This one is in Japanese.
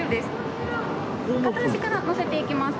片足から乗せていきます。